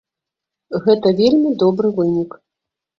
Гэта вельмі добры вынік.